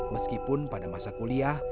meskipun pada masa kuliah